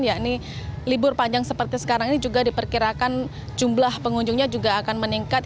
yakni libur panjang seperti sekarang ini juga diperkirakan jumlah pengunjungnya juga akan meningkat